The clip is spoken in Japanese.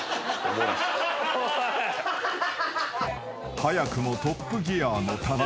［早くもトップギアの田中］